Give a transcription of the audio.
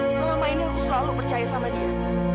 selama ini aku selalu percaya sama dia